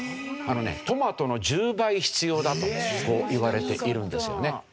あのねトマトの１０倍必要だとそういわれているんですよね。